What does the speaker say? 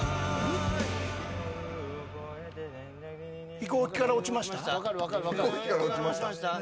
「飛行機から落ちました」？